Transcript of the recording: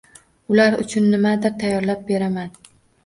Ular uchun nimadir tayyorlab beraman.